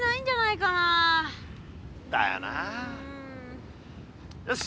だよなよし！